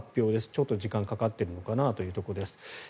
ちょっと時間がかかってるのかなというところです。